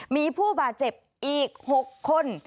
มีผู้บาดเจ็บอีก๖คน